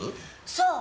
そう。